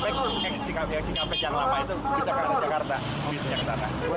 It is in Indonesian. pek xc kompos yang lama itu bisa ke jakarta bisnya ke sana